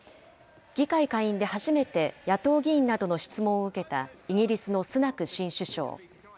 議会下院で初めて野党議員などの質問を受けたイギリスのスナク新首相。